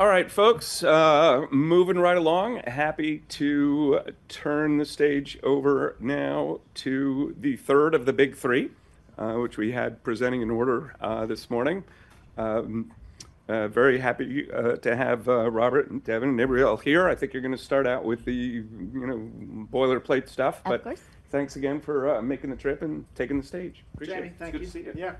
All right, folks, moving right along. Happy to turn the stage over now to the third of the big three, which we had presenting in order this morning. Very happy to have Robert and Devon and Abriell here. I think you're going to start out with the, you know, boilerplate stuff, but thanks again for making the trip and taking the stage. Jenny, thank you.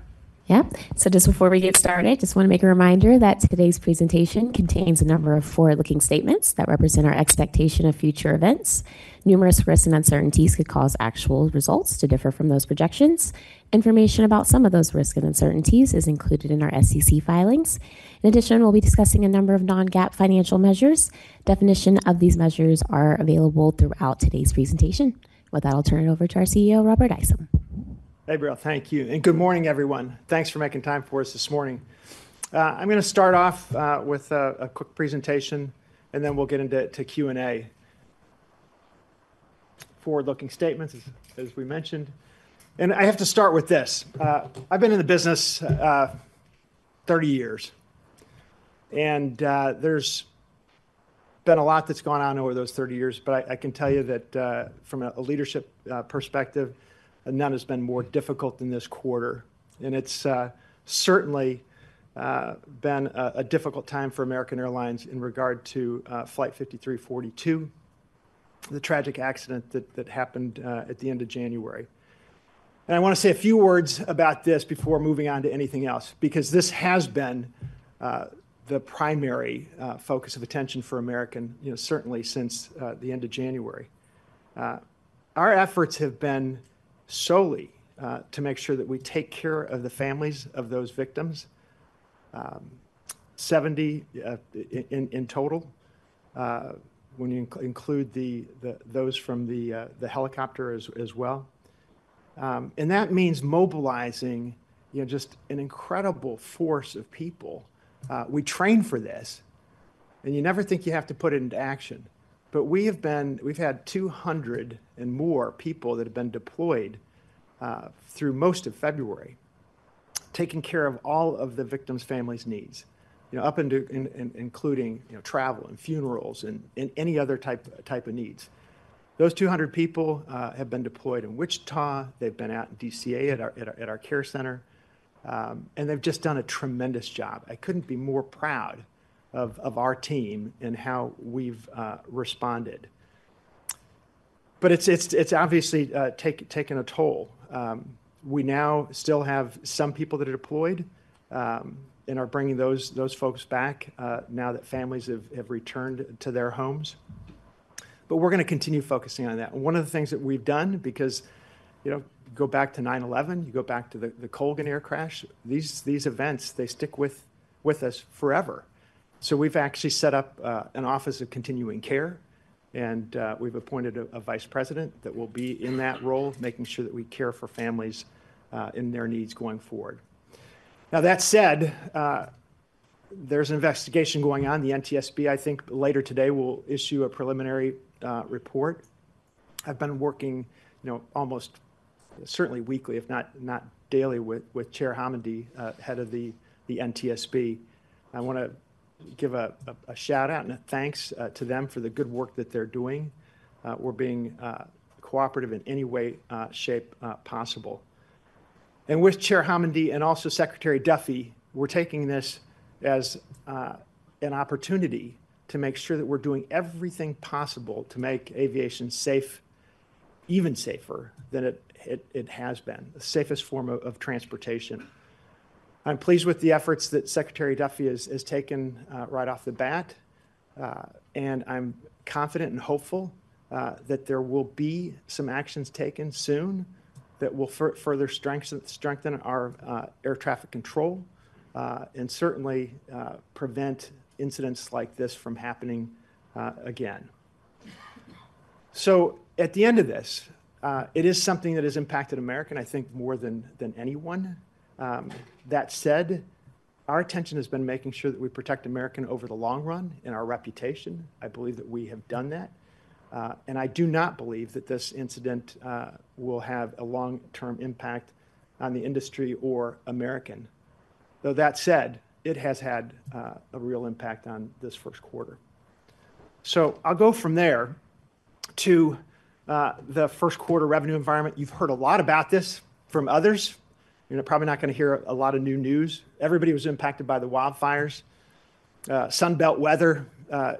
Yeah. Yeah. Just before we get started, I just want to make a reminder that today's presentation contains a number of forward-looking statements that represent our expectation of future events. Numerous risks and uncertainties could cause actual results to differ from those projections. Information about some of those risks and uncertainties is included in our SEC filings. In addition, we'll be discussing a number of non-GAAP financial measures. Definitions of these measures are available throughout today's presentation. With that, I'll turn it over to our CEO, Robert Isom. Abriell, thank you. Good morning, everyone. Thanks for making time for us this morning. I'm going to start off with a quick presentation, then we'll get into Q&A. Forward-looking statements, as we mentioned. I have to start with this. I've been in the business 30 years, and there's been a lot that's gone on over those 30 years. I can tell you that from a leadership perspective, none has been more difficult than this quarter. It's certainly been a difficult time for American Airlines in regard to Flight 5342, the tragic accident that happened at the end of January. I want to say a few words about this before moving on to anything else, because this has been the primary focus of attention for Americans, you know, certainly since the end of January. Our efforts have been solely to make sure that we take care of the families of those victims, 70 in total, when you include those from the helicopter as well. That means mobilizing, you know, just an incredible force of people. We train for this, and you never think you have to put it into action. We have had 200 and more people that have been deployed through most of February, taking care of all of the victims' families' needs, you know, up and including travel and funerals and any other type of needs. Those 200 people have been deployed in Wichita. They have been out in DCA at our care center, and they have just done a tremendous job. I could not be more proud of our team and how we have responded. It has obviously taken a toll. We now still have some people that are deployed and are bringing those folks back now that families have returned to their homes. We are going to continue focusing on that. One of the things that we have done, because, you know, go back to 9/11, you go back to the Colgan Air crash, these events, they stick with us forever. We have actually set up an Office of Continuing Care, and we have appointed a Vice President that will be in that role, making sure that we care for families and their needs going forward. That said, there is an investigation going on. The NTSB, I think later today, will issue a preliminary report. I have been working, you know, almost certainly weekly, if not daily, with Chair Homendy, head of the NTSB. I want to give a shout-out and a thanks to them for the good work that they're doing, or being cooperative in any way, shape possible. With Chair Homendy and also Secretary Dufty, we're taking this as an opportunity to make sure that we're doing everything possible to make aviation safe, even safer than it has been, the safest form of transportation. I'm pleased with the efforts that Secretary Dufty has taken right off the bat. I'm confident and hopeful that there will be some actions taken soon that will further strengthen our air traffic control and certainly prevent incidents like this from happening again. At the end of this, it is something that has impacted American, I think, more than anyone. That said, our attention has been making sure that we protect American over the long run and our reputation. I believe that we have done that. I do not believe that this incident will have a long-term impact on the industry or American. That said, it has had a real impact on this first quarter. I will go from there to the first quarter revenue environment. You have heard a lot about this from others. You are probably not going to hear a lot of new news. Everybody was impacted by the wildfires. Sunbelt weather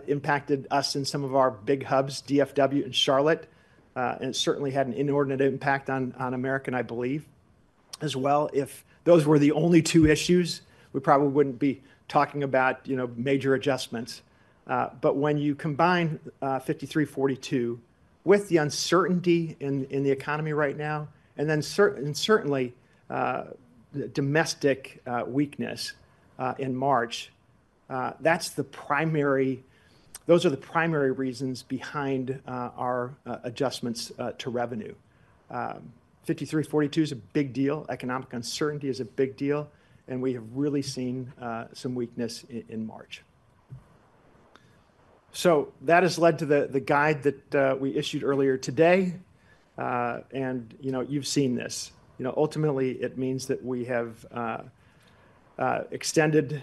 impacted us in some of our big hubs, DFW and Charlotte. It certainly had an inordinate impact on American, I believe, as well. If those were the only two issues, we probably would not be talking about, you know, major adjustments. When you combine 5342 with the uncertainty in the economy right now, and certainly domestic weakness in March, those are the primary reasons behind our adjustments to revenue. 5342 is a big deal. Economic uncertainty is a big deal. We have really seen some weakness in March. That has led to the guide that we issued earlier today. You know, you have seen this. You know, ultimately, it means that we have extended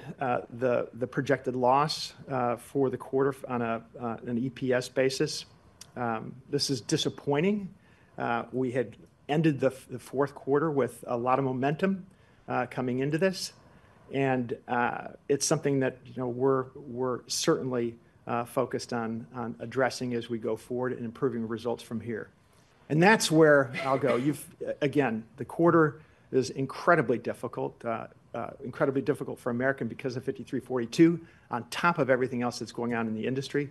the projected loss for the quarter on an EPS basis. This is disappointing. We had ended the fourth quarter with a lot of momentum coming into this. It is something that, you know, we are certainly focused on addressing as we go forward and improving results from here. That is where I will go. You have, again, the quarter is incredibly difficult, incredibly difficult for American because of 5342, on top of everything else that is going on in the industry.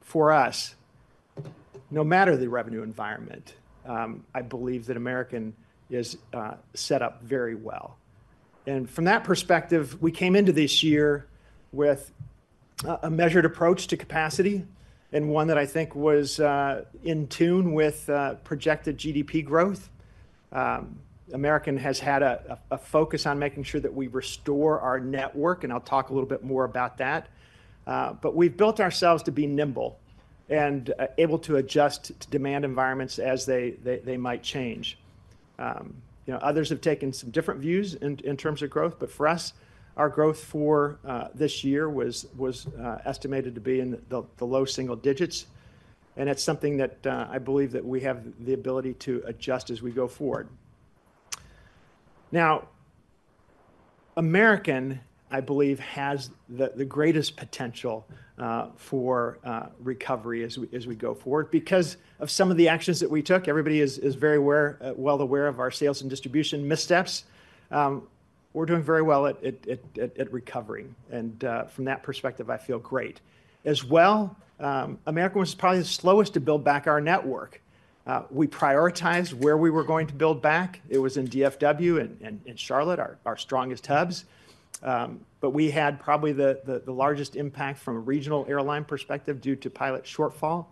For us, no matter the revenue environment, I believe that American is set up very well. From that perspective, we came into this year with a measured approach to capacity, and one that I think was in tune with projected GDP growth. American has had a focus on making sure that we restore our network, and I'll talk a little bit more about that. We have built ourselves to be nimble and able to adjust to demand environments as they might change. You know, others have taken some different views in terms of growth, but for us, our growth for this year was estimated to be in the low single digits. It is something that I believe that we have the ability to adjust as we go forward. Now, American, I believe, has the greatest potential for recovery as we go forward. Because of some of the actions that we took, everybody is very well aware of our sales and distribution missteps. We're doing very well at recovering. From that perspective, I feel great. As well, American was probably the slowest to build back our network. We prioritized where we were going to build back. It was in DFW and Charlotte, our strongest hubs. We had probably the largest impact from a regional airline perspective due to pilot shortfall.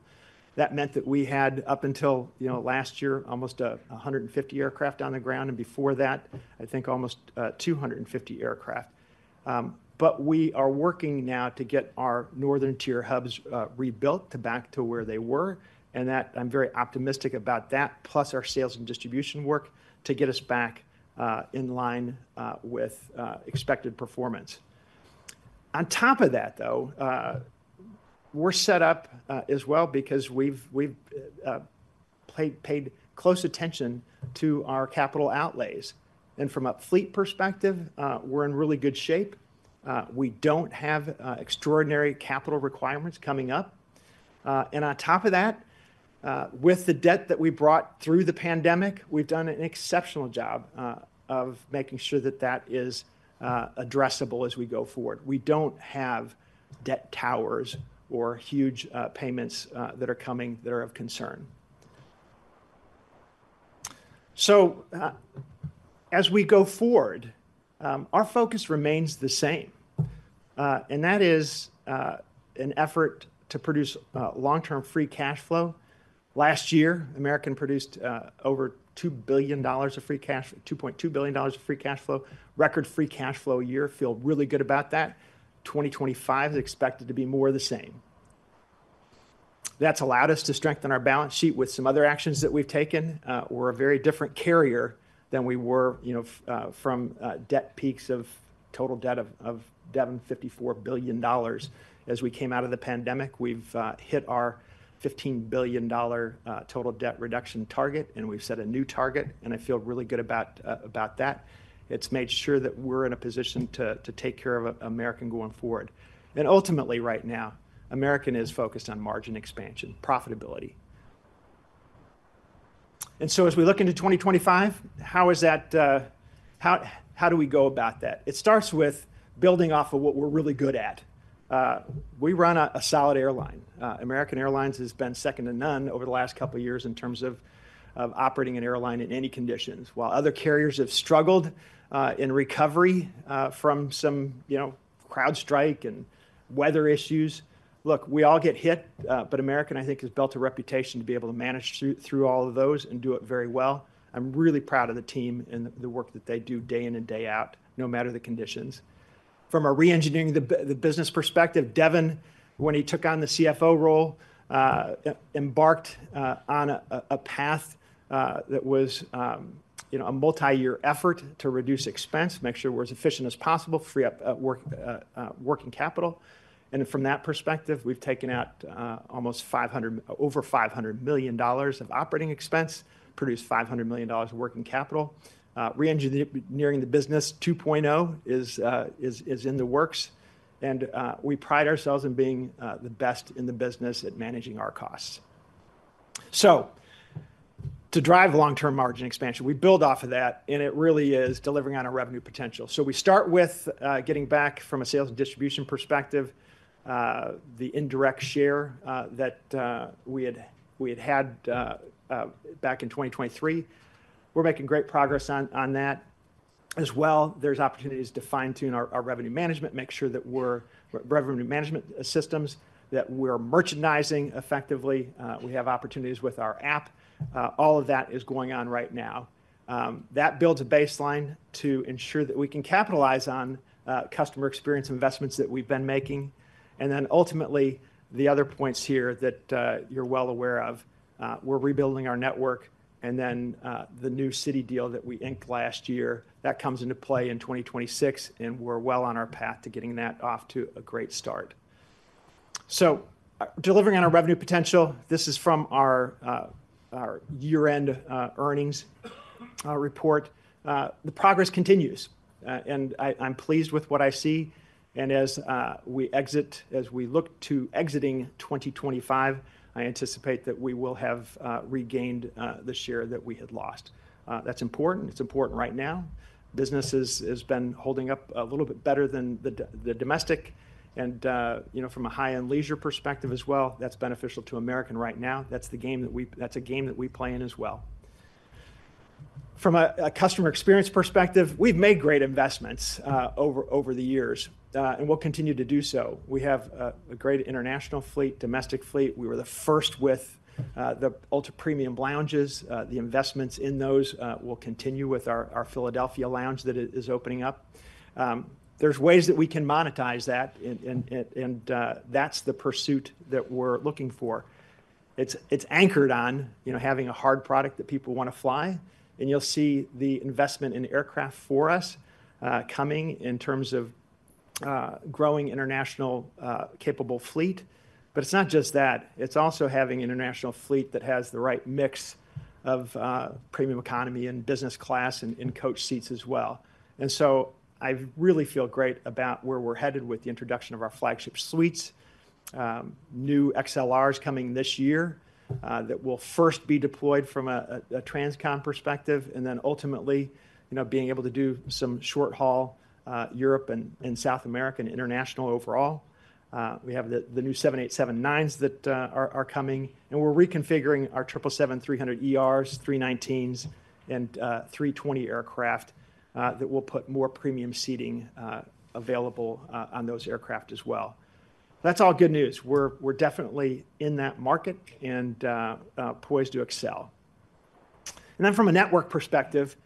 That meant that we had, up until, you know, last year, almost 150 aircraft on the ground. Before that, I think almost 250 aircraft. We are working now to get our northern tier hubs rebuilt back to where they were. I am very optimistic about that, plus our sales and distribution work to get us back in line with expected performance. On top of that, though, we're set up as well because we've paid close attention to our capital outlays. From a fleet perspective, we're in really good shape. We don't have extraordinary capital requirements coming up. On top of that, with the debt that we brought through the pandemic, we've done an exceptional job of making sure that that is addressable as we go forward. We don't have debt towers or huge payments that are coming that are of concern. As we go forward, our focus remains the same. That is an effort to produce long-term free cash flow. Last year, American produced over $2 billion of free cash, $2.2 billion of free cash flow, record free cash flow a year. Feel really good about that. 2025 is expected to be more of the same. That's allowed us to strengthen our balance sheet with some other actions that we've taken. We're a very different carrier than we were, you know, from debt peaks of total debt of $754 billion. As we came out of the pandemic, we've hit our $15 billion total debt reduction target, and we've set a new target. I feel really good about that. It's made sure that we're in a position to take care of American going forward. Ultimately, right now, American is focused on margin expansion, profitability. As we look into 2025, how is that, how do we go about that? It starts with building off of what we're really good at. We run a solid airline. American Airlines has been second to none over the last couple of years in terms of operating an airline in any conditions. While other carriers have struggled in recovery from some, you know, CrowdStrike and weather issues, look, we all get hit. American, I think, has built a reputation to be able to manage through all of those and do it very well. I'm really proud of the team and the work that they do day in and day out, no matter the conditions. From a re-engineering the business perspective, Devon, when he took on the CFO role, embarked on a path that was, you know, a multi-year effort to reduce expense, make sure we're as efficient as possible, free up working capital. From that perspective, we've taken out almost over $500 million of operating expense, produced $500 million of working capital. Re-engineering the business 2.0 is in the works. We pride ourselves in being the best in the business at managing our costs. To drive long-term margin expansion, we build off of that, and it really is delivering on our revenue potential. We start with getting back from a sales and distribution perspective, the indirect share that we had had back in 2023. We're making great progress on that as well. There's opportunities to fine-tune our revenue management, make sure that we're revenue management systems, that we're merchandising effectively. We have opportunities with our app. All of that is going on right now. That builds a baseline to ensure that we can capitalize on customer experience investments that we've been making. Ultimately, the other points here that you're well aware of, we're rebuilding our network. The new Citi deal that we inked last year, that comes into play in 2026, and we're well on our path to getting that off to a great start. Delivering on our revenue potential, this is from our year-end earnings report. The progress continues, and I'm pleased with what I see. As we look to exiting 2025, I anticipate that we will have regained the share that we had lost. That's important. It's important right now. Business has been holding up a little bit better than the domestic. You know, from a high-end leisure perspective as well, that's beneficial to American right now. That's the game that we play in as well. From a customer experience perspective, we've made great investments over the years, and we'll continue to do so. We have a great international fleet, domestic fleet. We were the first with the ultra-premium lounges. The investments in those will continue with our Philadelphia lounge that is opening up. There's ways that we can monetize that, and that's the pursuit that we're looking for. It's anchored on, you know, having a hard product that people want to fly. You'll see the investment in aircraft for us coming in terms of growing international capable fleet. It's not just that. It's also having an international fleet that has the right mix of premium economy and business class and coach seats as well. I really feel great about where we're headed with the introduction of our Flagship Suites, new XLRs coming this year that will first be deployed from a transcon perspective, and then ultimately, you know, being able to do some short-haul Europe and South America and international overall. We have the new 787-9s that are coming, and we're reconfiguring our 777-300ERs, 319s, and 320 aircraft that will put more premium seating available on those aircraft as well. That's all good news. We're definitely in that market and poised to excel. From a network perspective,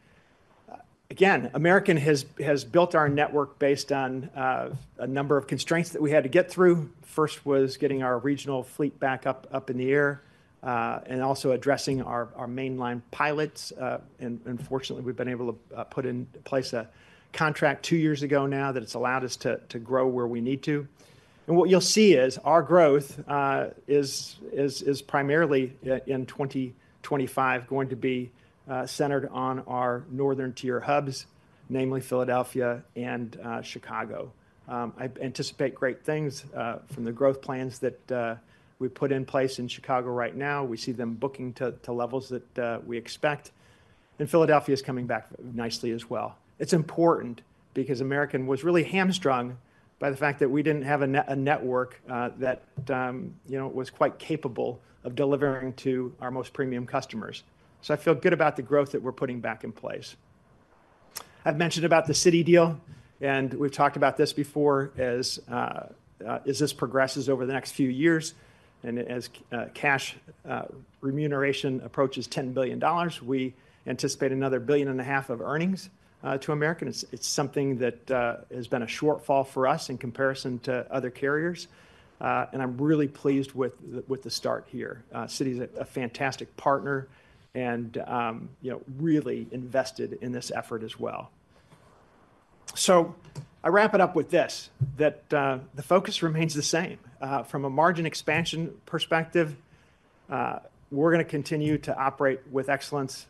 again, American has built our network based on a number of constraints that we had to get through. First was getting our regional fleet back up in the air and also addressing our mainline pilots. Fortunately, we've been able to put in place a contract two years ago now that has allowed us to grow where we need to. What you'll see is our growth is primarily in 2025 going to be centered on our northern tier hubs, namely Philadelphia and Chicago. I anticipate great things from the growth plans that we put in place in Chicago right now. We see them booking to levels that we expect. Philadelphia is coming back nicely as well. It's important because American was really hamstrung by the fact that we didn't have a network that, you know, was quite capable of delivering to our most premium customers. I feel good about the growth that we're putting back in place. I've mentioned about the Citi deal, and we've talked about this before as this progresses over the next few years. As cash remuneration approaches $10 billion, we anticipate another $1.5 billion of earnings to American. It's something that has been a shortfall for us in comparison to other carriers. I'm really pleased with the start here. Citi is a fantastic partner and, you know, really invested in this effort as well. I wrap it up with this: that the focus remains the same. From a margin expansion perspective, we're going to continue to operate with excellence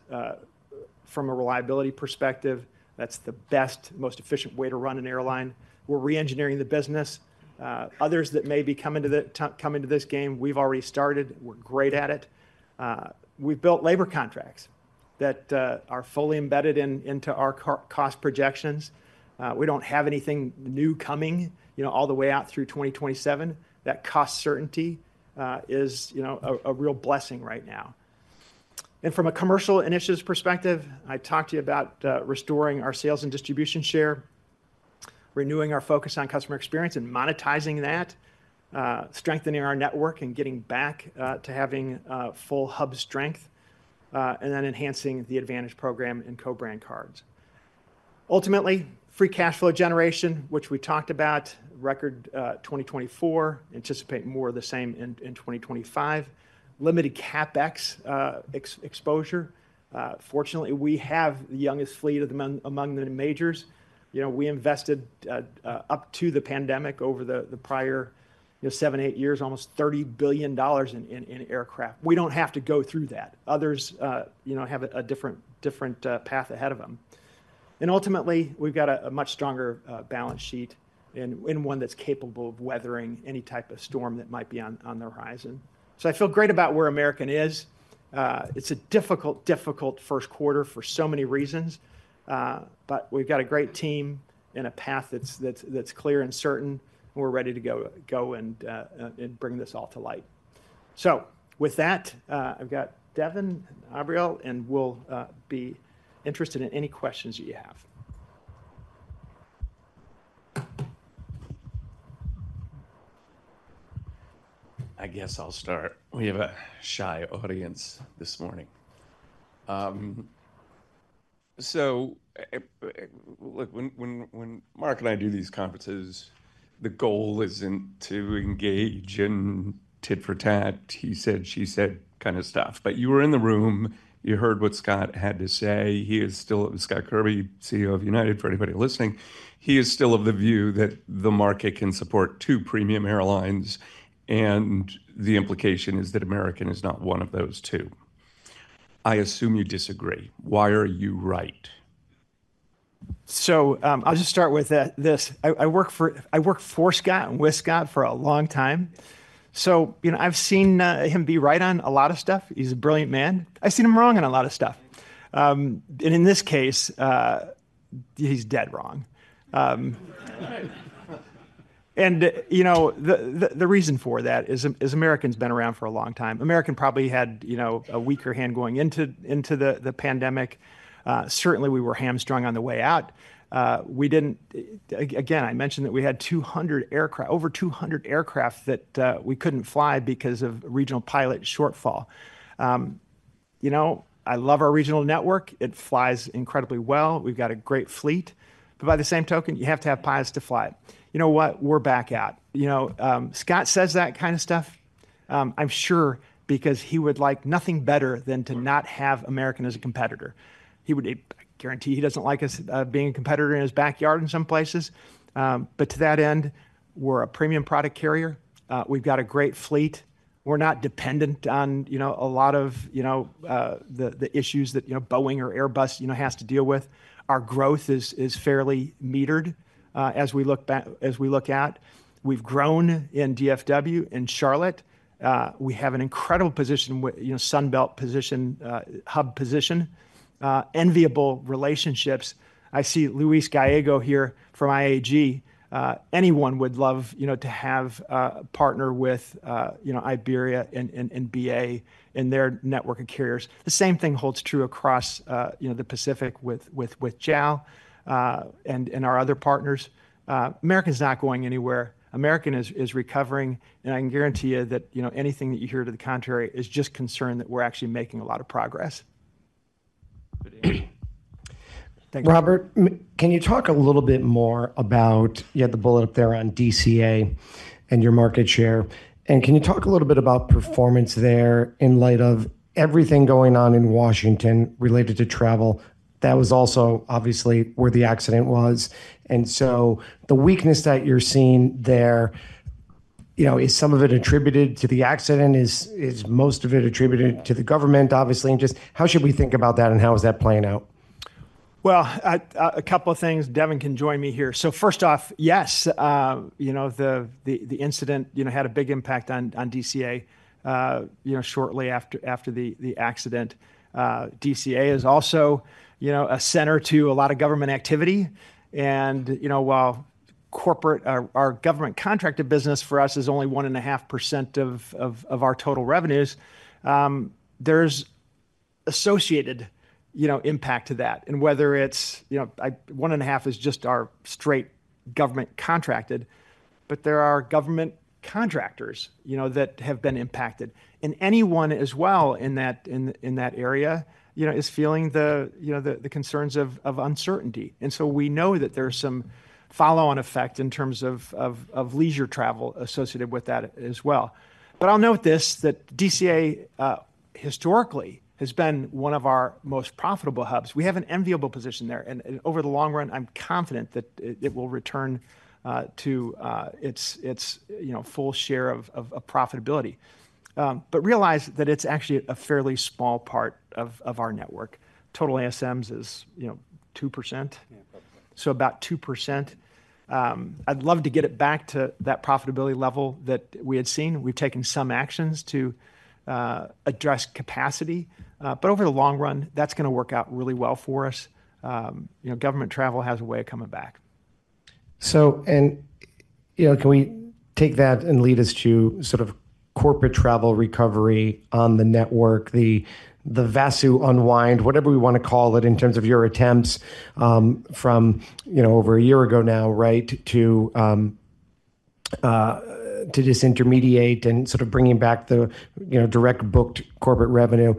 from a reliability perspective. That's the best, most efficient way to run an airline. We're re-engineering the business. Others that may be coming to this game, we've already started. We're great at it. We've built labor contracts that are fully embedded into our cost projections. We don't have anything new coming, you know, all the way out through 2027. That cost certainty is, you know, a real blessing right now. From a commercial initiatives perspective, I talked to you about restoring our sales and distribution share, renewing our focus on customer experience and monetizing that, strengthening our network and getting back to having full hub strength, and then enhancing the AAdvantage program and co-brand cards. Ultimately, free cash flow generation, which we talked about, record 2024, anticipate more of the same in 2025. Limited CapEx exposure. Fortunately, we have the youngest fleet among the majors. You know, we invested up to the pandemic over the prior, you know, seven, eight years, almost $30 billion in aircraft. We do not have to go through that. Others, you know, have a different path ahead of them. Ultimately, we have got a much stronger balance sheet and one that is capable of weathering any type of storm that might be on the horizon. I feel great about where American is. It is a difficult, difficult first quarter for so many reasons. We have got a great team and a path that is clear and certain, and we are ready to go and bring this all to light. With that, I have got Devon, Abriell, and we will be interested in any questions that you have. I guess I will start. We have a shy audience this morning. Look, when Mark and I do these conferences, the goal is not to engage in tit for tat, he said, she said kind of stuff. You were in the room, you heard what Scott had to say. He is still, Scott Kirby, CEO of United, for anybody listening, he is still of the view that the market can support two premium airlines. The implication is that American is not one of those two. I assume you disagree. Why are you right? I will just start with this. I work for Scott and with Scott for a long time. You know, I have seen him be right on a lot of stuff. He is a brilliant man. I have seen him wrong on a lot of stuff. In this case, he is dead wrong. The reason for that is American's been around for a long time. American probably had, you know, a weaker hand going into the pandemic. Certainly, we were hamstrung on the way out. We didn't, again, I mentioned that we had 200 aircraft, over 200 aircraft that we couldn't fly because of regional pilot shortfall. You know, I love our regional network. It flies incredibly well. We've got a great fleet. By the same token, you have to have pilots to fly it. You know what? We're back out. You know, Scott says that kind of stuff. I'm sure because he would like nothing better than to not have American as a competitor. He would guarantee he doesn't like us being a competitor in his backyard in some places. To that end, we're a premium product carrier. We've got a great fleet. We're not dependent on, you know, a lot of, you know, the issues that, you know, Boeing or Airbus, you know, has to deal with. Our growth is fairly metered as we look back, as we look out. We've grown in DFW, in Charlotte. We have an incredible position, you know, Sunbelt position, hub position, enviable relationships. I see Luis Gallego here from IAG. Anyone would love, you know, to have a partner with, you know, Iberia and BA in their network of carriers. The same thing holds true across, you know, the Pacific with JAL and our other partners. American's not going anywhere. American is recovering. And I can guarantee you that, you know, anything that you hear to the contrary is just concern that we're actually making a lot of progress. Robert, can you talk a little bit more about, you had the bullet up there on DCA and your market share? Can you talk a little bit about performance there in light of everything going on in Washington related to travel? That was also obviously where the accident was. The weakness that you're seeing there, you know, is some of it attributed to the accident? Is most of it attributed to the government, obviously? Just how should we think about that and how is that playing out? A couple of things. Devon can join me here. First off, yes, you know, the incident, you know, had a big impact on DCA, you know, shortly after the accident. DCA is also, you know, a center to a lot of government activity. You know, while corporate, our government contracted business for us is only 1.5% of our total revenues, there's associated, you know, impact to that. Whether it's, you know, 1.5% is just our straight government contracted, but there are government contractors, you know, that have been impacted. Anyone as well in that area, you know, is feeling the, you know, the concerns of uncertainty. We know that there's some follow-on effect in terms of leisure travel associated with that as well. I'll note this: DCA historically has been one of our most profitable hubs. We have an enviable position there. Over the long run, I'm confident that it will return to its, you know, full share of profitability. Realize that it's actually a fairly small part of our network. Total ASMs is, you know, 2%. About 2%. I'd love to get it back to that profitability level that we had seen. We've taken some actions to address capacity. Over the long run, that's going to work out really well for us. You know, government travel has a way of coming back. You know, can we take that and lead us to sort of corporate travel recovery on the network, the Vasu unwind, whatever we want to call it in terms of your attempts from over a year ago now, right, to disintermediate and sort of bringing back the direct booked corporate revenue?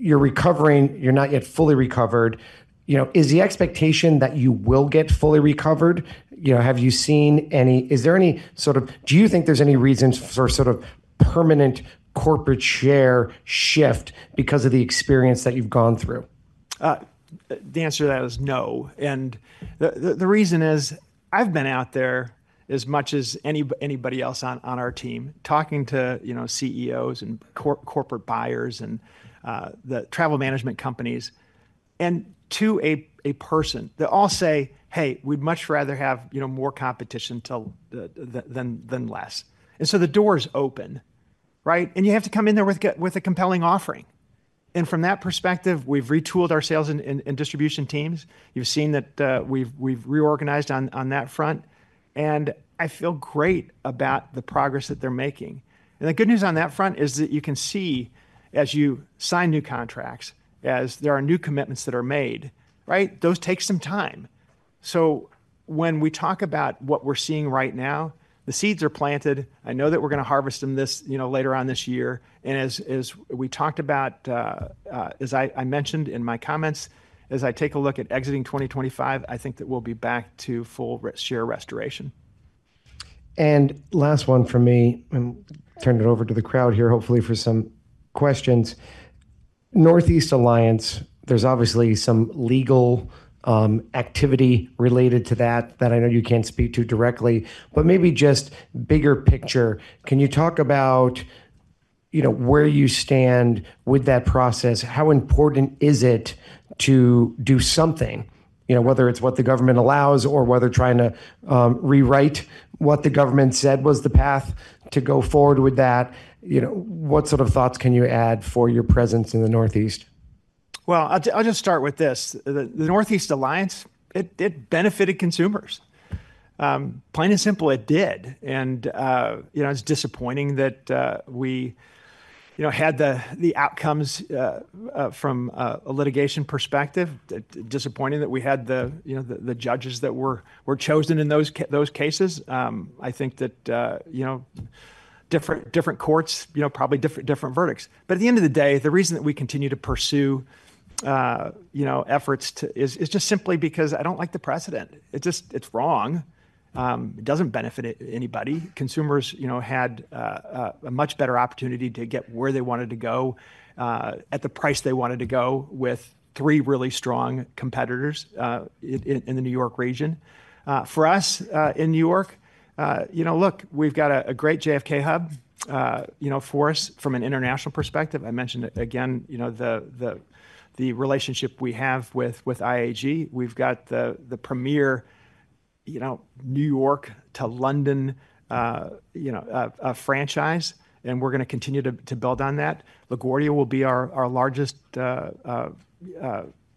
You're recovering. You're not yet fully recovered. You know, is the expectation that you will get fully recovered? You know, have you seen any? Is there any sort of, do you think there's any reason for sort of permanent corporate share shift because of the experience that you've gone through? The answer to that is no. The reason is I've been out there as much as anybody else on our team talking to, you know, CEOs and corporate buyers and the travel management companies and to a person that all say, "Hey, we'd much rather have, you know, more competition than less." The door is open, right? You have to come in there with a compelling offering. From that perspective, we've retooled our sales and distribution teams. You've seen that we've reorganized on that front. I feel great about the progress that they're making. The good news on that front is that you can see as you sign new contracts, as there are new commitments that are made, right, those take some time. When we talk about what we're seeing right now, the seeds are planted. I know that we're going to harvest them this, you know, later on this year. As we talked about, as I mentioned in my comments, as I take a look at exiting 2025, I think that we'll be back to full share restoration. Last one for me, I'm turning it over to the crowd here, hopefully for some questions. Northeast Alliance, there's obviously some legal activity related to that that I know you can't speak to directly, but maybe just bigger picture. Can you talk about, you know, where you stand with that process? How important is it to do something, you know, whether it's what the government allows or whether trying to rewrite what the government said was the path to go forward with that? You know, what sort of thoughts can you add for your presence in the Northeast? I’ll just start with this. The Northeast Alliance, it benefited consumers. Plain and simple, it did. You know, it's disappointing that we, you know, had the outcomes from a litigation perspective. Disappointing that we had the, you know, the judges that were chosen in those cases. I think that, you know, different courts, you know, probably different verdicts. At the end of the day, the reason that we continue to pursue, you know, efforts is just simply because I don't like the precedent. It's just, it's wrong. It doesn't benefit anybody. Consumers, you know, had a much better opportunity to get where they wanted to go at the price they wanted to go with three really strong competitors in the New York region. For us in New York, you know, look, we've got a great JFK hub, you know, for us from an international perspective. I mentioned again, you know, the relationship we have with IAG. We've got the premier, you know, New York to London, you know, franchise. We're going to continue to build on that. LaGuardia will be our largest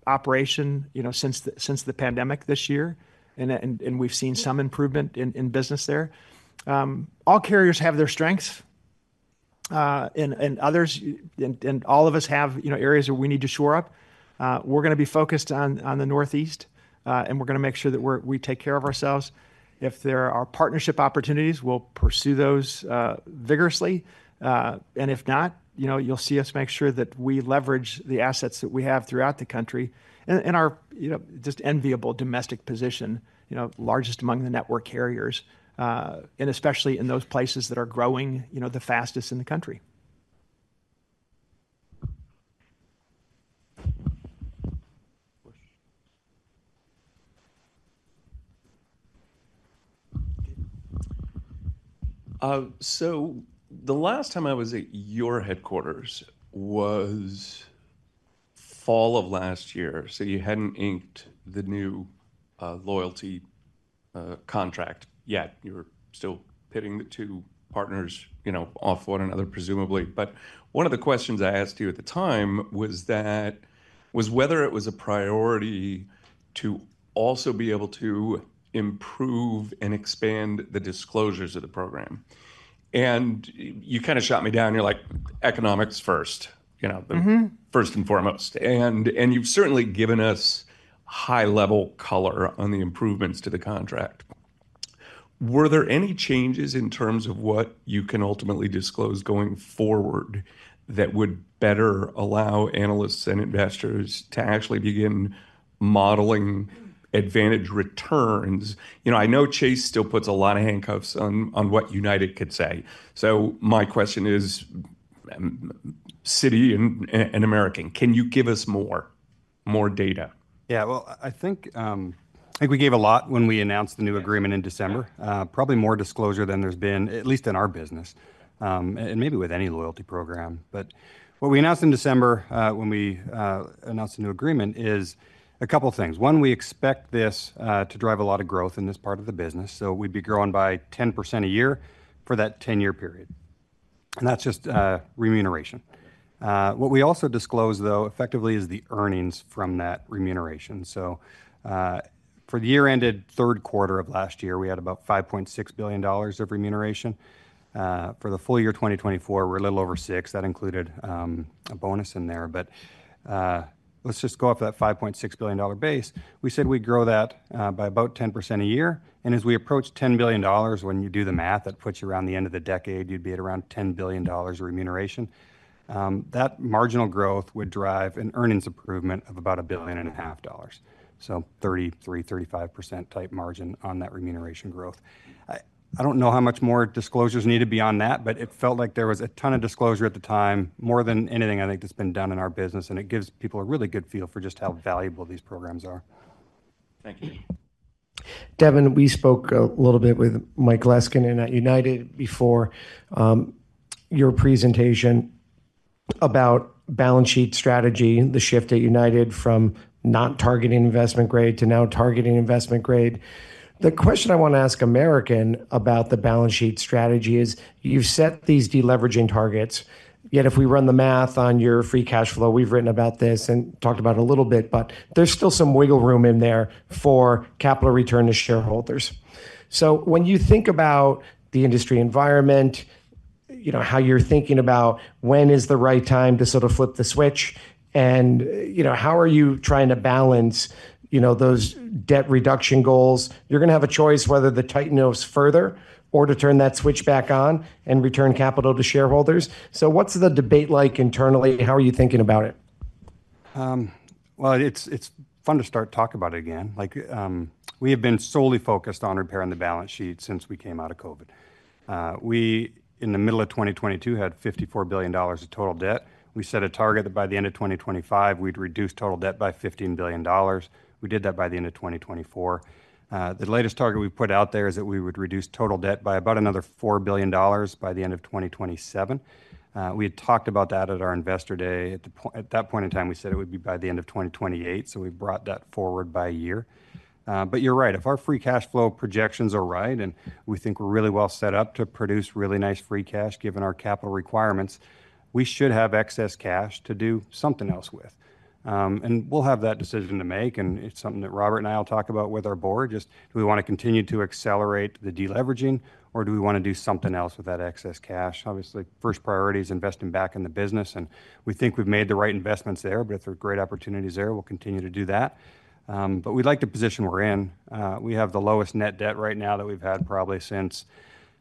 operation, you know, since the pandemic this year. We've seen some improvement in business there. All carriers have their strengths. Others, and all of us have, you know, areas where we need to shore up. We're going to be focused on the Northeast. We're going to make sure that we take care of ourselves. If there are partnership opportunities, we'll pursue those vigorously. If not, you know, you'll see us make sure that we leverage the assets that we have throughout the country and our, you know, just enviable domestic position, you know, largest among the network carriers. Especially in those places that are growing, you know, the fastest in the country. The last time I was at your headquarters was fall of last year. You hadn't inked the new loyalty contract yet. You were still pitting the two partners, you know, off one another, presumably. One of the questions I asked you at the time was whether it was a priority to also be able to improve and expand the disclosures of the program. You kind of shot me down. You're like, economics first, you know, first and foremost. You have certainly given us high-level color on the improvements to the contract. Were there any changes in terms of what you can ultimately disclose going forward that would better allow analysts and investors to actually begin modeling advantage returns? You know, I know Chase still puts a lot of handcuffs on what United could say. My question is, Citi and American, can you give us more, more data? Yeah, I think we gave a lot when we announced the new agreement in December. Probably more disclosure than there has been, at least in our business, and maybe with any loyalty program. What we announced in December when we announced the new agreement is a couple of things. One, we expect this to drive a lot of growth in this part of the business. We would be growing by 10% a year for that 10-year period. That is just remuneration. What we also disclosed, though, effectively is the earnings from that remuneration. For the year-ended third quarter of last year, we had about $5.6 billion of remuneration. For the full year 2024, we are a little over six. That included a bonus in there. Let us just go off that $5.6 billion base. We said we would grow that by about 10% a year. As we approach $10 billion, when you do the math, that puts you around the end of the decade, you would be at around $10 billion of remuneration. That marginal growth would drive an earnings improvement of about $1.5 billion. So 33-35% type margin on that remuneration growth. I don't know how much more disclosures need to be on that, but it felt like there was a ton of disclosure at the time, more than anything I think that's been done in our business. It gives people a really good feel for just how valuable these programs are. Thank you. Devon, we spoke a little bit with Mike Leskinen and at United before your presentation about balance sheet strategy, the shift at United from not targeting investment grade to now targeting investment grade. The question I want to ask American about the balance sheet strategy is you've set these deleveraging targets. Yet if we run the math on your free cash flow, we've written about this and talked about a little bit, but there's still some wiggle room in there for capital return to shareholders. When you think about the industry environment, you know, how you're thinking about when is the right time to sort of flip the switch and, you know, how are you trying to balance, you know, those debt reduction goals? You're going to have a choice whether to tighten those further or to turn that switch back on and return capital to shareholders. What's the debate like internally? How are you thinking about it? It's fun to start talking about it again. Like we have been solely focused on repairing the balance sheet since we came out of COVID. We, in the middle of 2022, had $54 billion of total debt. We set a target that by the end of 2025, we'd reduce total debt by $15 billion. We did that by the end of 2024. The latest target we put out there is that we would reduce total debt by about another $4 billion by the end of 2027. We had talked about that at our investor day. At that point in time, we said it would be by the end of 2028. We brought that forward by a year. You're right. If our free cash flow projections are right and we think we're really well set up to produce really nice free cash given our capital requirements, we should have excess cash to do something else with. We'll have that decision to make. It's something that Robert and I will talk about with our board. Just do we want to continue to accelerate the deleveraging or do we want to do something else with that excess cash? Obviously, first priority is investing back in the business. We think we've made the right investments there. If there are great opportunities there, we'll continue to do that. We'd like to position where we're in. We have the lowest net debt right now that we've had probably since,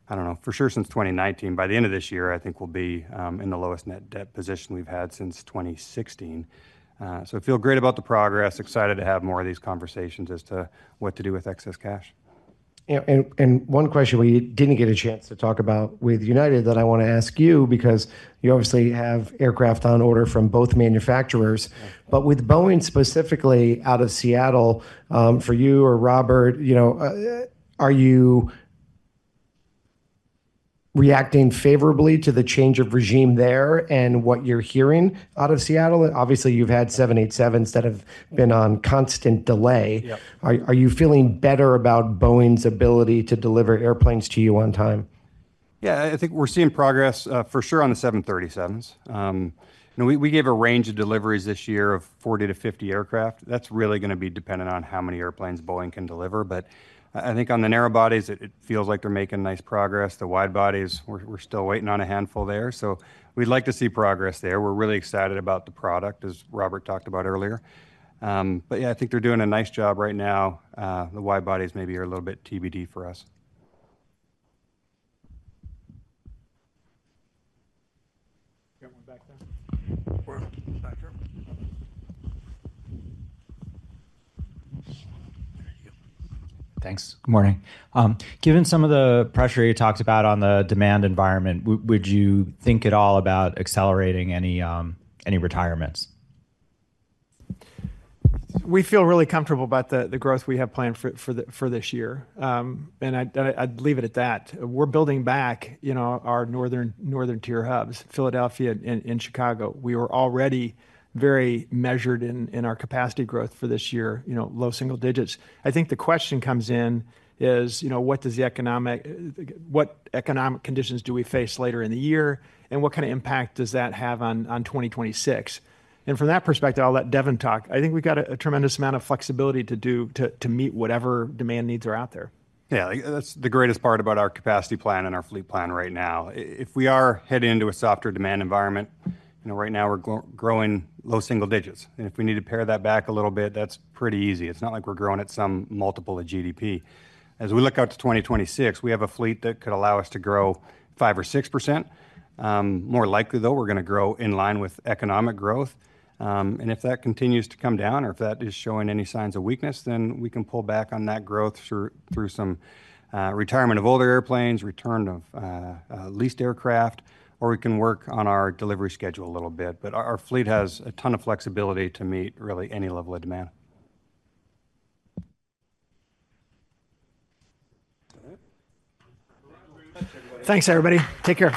I don't know, for sure since 2019. By the end of this year, I think we'll be in the lowest net debt position we've had since 2016. I feel great about the progress. Excited to have more of these conversations as to what to do with excess cash. One question we didn't get a chance to talk about with United that I want to ask you because you obviously have aircraft on order from both manufacturers. With Boeing specifically out of Seattle, for you or Robert, you know, are you reacting favorably to the change of regime there and what you're hearing out of Seattle? Obviously, you've had 787s that have been on constant delay. Are you feeling better about Boeing's ability to deliver airplanes to you on time? Yeah, I think we're seeing progress for sure on the 737s. You know, we gave a range of deliveries this year of 40-50 aircraft. That's really going to be dependent on how many airplanes Boeing can deliver. I think on the narrow bodies, it feels like they're making nice progress. The wide bodies, we're still waiting on a handful there. We would like to see progress there. We're really excited about the product, as Robert talked about earlier. Yeah, I think they're doing a nice job right now. The wide bodies maybe are a little bit TBD for us. Thanks. Good morning. Given some of the pressure you talked about on the demand environment, would you think at all about accelerating any retirements? We feel really comfortable about the growth we have planned for this year. I'd leave it at that. We're building back, you know, our northern tier hubs, Philadelphia and Chicago. We were already very measured in our capacity growth for this year, you know, low single digits. I think the question comes in is, you know, what does the economic, what economic conditions do we face later in the year and what kind of impact does that have on 2026? From that perspective, I'll let Devon talk. I think we've got a tremendous amount of flexibility to do to meet whatever demand needs are out there. Yeah, that's the greatest part about our capacity plan and our fleet plan right now. If we are heading into a softer demand environment, you know, right now we're growing low single digits. If we need to pare that back a little bit, that's pretty easy. It's not like we're growing at some multiple of GDP. As we look out to 2026, we have a fleet that could allow us to grow 5% or 6%. More likely, though, we're going to grow in line with economic growth. If that continues to come down or if that is showing any signs of weakness, we can pull back on that growth through some retirement of older airplanes, return of leased aircraft, or we can work on our delivery schedule a little bit. Our fleet has a ton of flexibility to meet really any level of demand. Thanks, everybody. Take care.